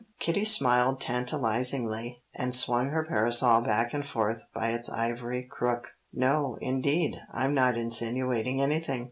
Kitty smiled tantalizingly, and swung her parasol back and forth by its ivory crook. "No, indeed. I'm not insinuating anything.